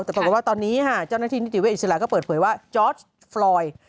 แต่บอกว่าตอนนี้เจ้าหน้าที่นิติเวทย์อิสระก็เปิดเผยว่าจอร์จฟรอยด์